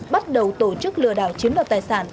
bắt đầu tổ chức lừa đảo chiếm đoạt tài sản